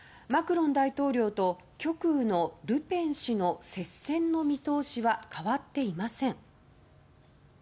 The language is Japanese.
マクロン大統領と極右のルペン氏の接戦の見通しは変わっていません。